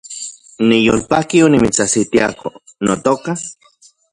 Niyolpaki onimitsajsitiako, notoka